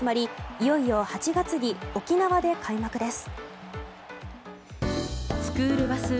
いよいよ８月に沖縄で開幕です。